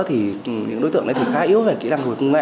thì những đối tượng đấy thì khá yếu về kỹ năng của công nghệ